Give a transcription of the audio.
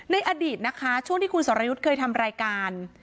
ในอดีตนะคะช่วงที่คุณสรยุทธ์เคยทำรายการ